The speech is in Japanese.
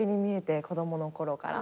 子供のころから。